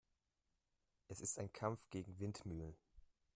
Es ist ein Kampf gegen Windmühlen.